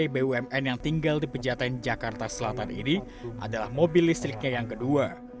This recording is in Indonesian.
bumn yang tinggal di pejaten jakarta selatan ini adalah mobil listriknya yang kedua